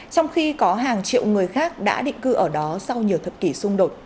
trong khi có hàng triệu người khác đã định cư ở đó sau nhiều thập kỷ xung đột